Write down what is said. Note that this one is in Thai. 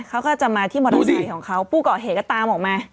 เขาก็จะมาที่มอเตอร์สายของเขาดูสิปู่เกาะเหตุก็ตามออกมา